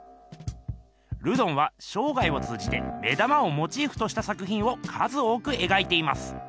ルドンはしょうがいを通じて目玉をモチーフとした作ひんを数多く描いています。